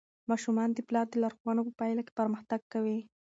ماشومان د پلار د لارښوونو په پایله کې پرمختګ کوي.